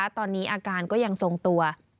ตอนนี้อาการก็ยังทรงตัว